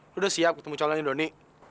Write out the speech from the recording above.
lu udah siap ketemu calonnya donny